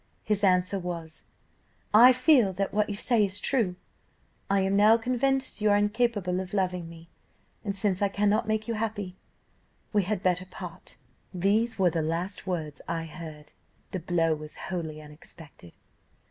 His answer was, 'I feel that what you say is true, I am now convinced you are incapable of loving me; and since I cannot make you happy, we had better part.' "These were the last words I heard. The blow was wholly unexpected.